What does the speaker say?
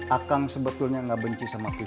akang sebetulnya gak benci sama pipit